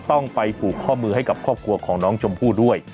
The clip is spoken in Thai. ต้องไปผูกข้อมือให้กับครอบครัวของน้องชมพู่ด้วย